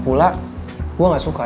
pula gue gak suka